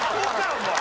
お前。